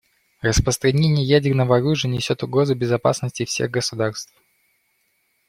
Распространение ядерного оружия несет угрозу безопасности всех государств.